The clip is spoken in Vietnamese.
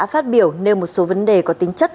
phát biểu nêu một số vấn đề có tính chất